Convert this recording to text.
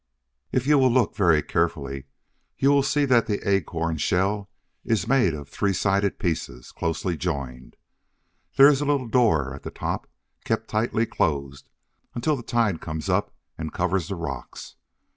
If you will look very carefully, you will see that the Acorn Shell is made of three sided pieces, closely joined. There is a little door at the top, kept tightly closed until the tide comes up and covers the rocks.